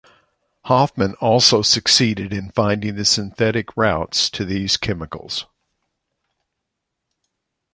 Hofmann also succeeded in finding the synthetic routes to these chemicals.